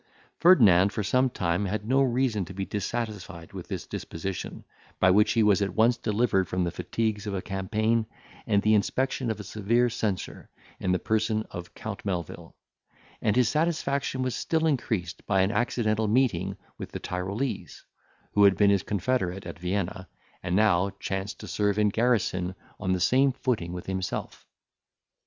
Ferdinand for some time had no reason to be dissatisfied with this disposition, by which he was at once delivered from the fatigues of a campaign, and the inspection of a severe censor, in the person of Count Melvil; and his satisfaction was still increased by an accidental meeting with the Tyrolese who had been his confederate at Vienna, and now chanced to serve in garrison on the same footing with himself.